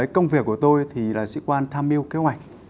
công việc của tôi thì là sĩ quan tham mưu kế hoạch